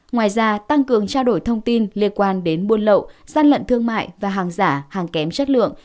ngoài ra tăng cường trao đổi thông tin liên quan đến buôn lậu gian lận thương mại và hàng giả hàng kém chất lượng